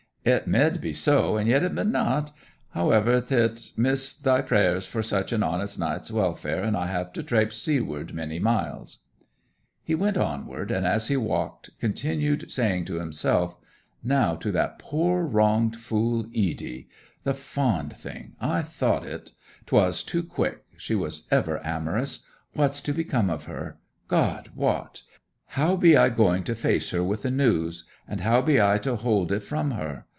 'It mid be so, and yet it mid not. However, th' 'lt miss thy prayers for such an honest knight's welfare, and I have to traipse seaward many miles.' He went onward, and as he walked continued saying to himself, 'Now to that poor wronged fool Edy. The fond thing! I thought it; 'twas too quick she was ever amorous. What's to become of her! God wot! How be I going to face her with the news, and how be I to hold it from her?